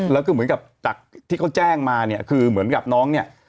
แล้วก็เหมือนกับจากที่เขาแจ้งมาเนี่ยคือเหมือนกับน้องเนี่ย